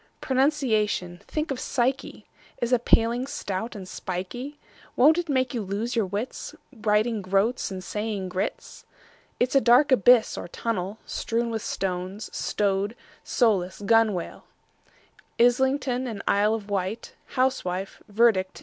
Pronunciation—think of psyche!— Is a paling, stout and spikey; Won't it make you lose your wits, Writing "groats" and saying groats? It's a dark abyss or tunnel, Strewn with stones, like rowlock, gunwale, Islington and Isle of Wight, Housewife, verdict and indict!